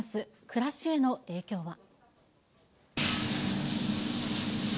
暮らしへの影響は。